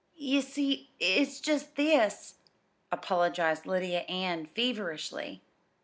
"Ye see, it's just this," apologized Lydia Ann feverishly.